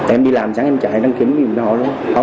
em đi làm chẳng em chạy đăng kiểm dùm cho họ luôn